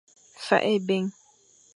Fakh ébi.